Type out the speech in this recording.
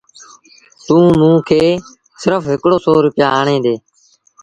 توݩ موݩ کي سرڦ هڪڙو سو روپيآ آڻي ڏي